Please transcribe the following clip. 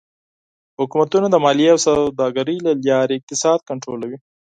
حکومتونه د مالیې او سوداګرۍ له لارې اقتصاد کنټرولوي.